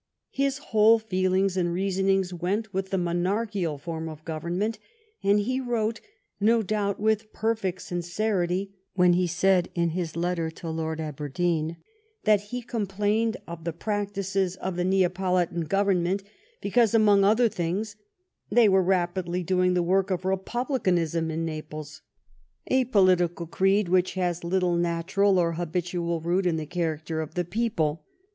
His whole feelings and reasonings went with the monarchical form of government, and he wrote, no doubt, with perfect sincerity when he said, in his letter to Lord Aberdeen, that he complained of the practices of the Neapolitan Government be cause, among other things, they were rapidly doing the work of republicanism in Naples — "a political creed which has little natural or habitual root in the character of the people."